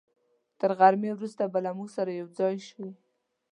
تر غرمې وروسته به له موږ سره یوځای شي.